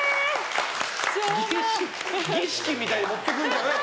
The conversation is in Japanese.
儀式みたいに持ってくるんじゃない！